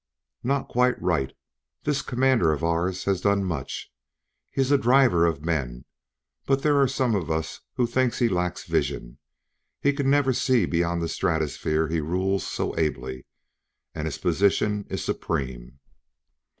"Not quite right; this Commander of ours has done much he is a driver of men but there are some of us who think he lacks vision. He can never see beyond the stratosphere he rules so ably; and his position is supreme."